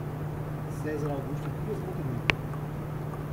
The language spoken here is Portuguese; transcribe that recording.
Cezar Augusto Dias Montenegro